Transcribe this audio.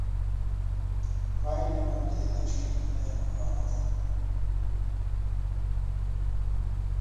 Briley won the election in a runoff.